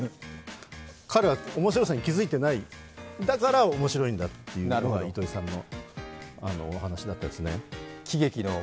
彼は面白さに気づいてない、だから面白いんだというのが糸井さんのお話でしたね。